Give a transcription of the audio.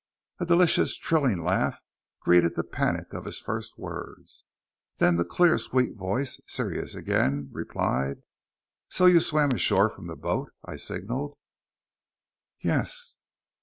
A delicious, trilling laugh greeted the panic of his first words. Then the clear, sweet voice, serious again, replied, "So you swam ashore from the boat I signaled?" "Yes."